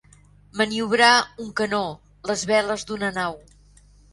Maniobrar un canó, les veles d'una nau.